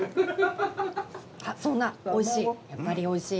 そんなおいしい。